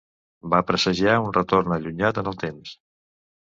Va presagiar un retorn allunyat en el temps.